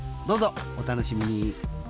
どうぞお楽しみに。